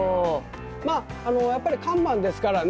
まあやっぱり看板ですからね